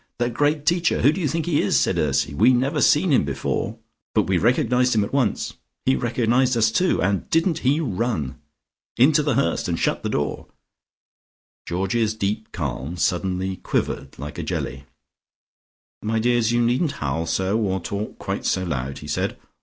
"The great Teacher! Who do you think he is?" said Ursy. "We never seen him before " "But we recognised him at once " "He recognised us, too, and didn't he run? " "Into The Hurst and shut the door " Georgie's deeper calm suddenly quivered like a jelly. "My dears, you needn't howl so, or talk quite so loud," he said.